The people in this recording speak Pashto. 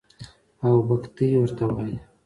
او بګتۍ ورته وايي.